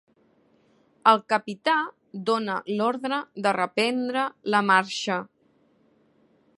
El capità dóna l'ordre de reprendre la marxa.